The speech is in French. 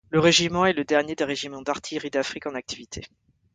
Le régiment est le dernier des régiments d'artillerie d'Afrique en activité.